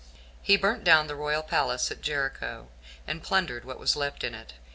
He burnt down the royal palace at Jericho, and plundered what was left in it.